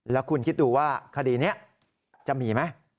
แล้วคุณคิดดูว่าคดีนี้จะมีไหม